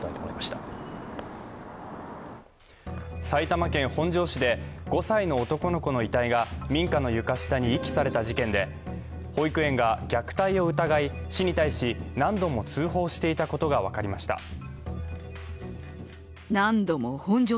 埼玉県本庄市で５歳の男の子の遺体が民家の床下に遺棄された事件で、保育園が虐待を疑い、市に対し何度も通報していたことが分かりました。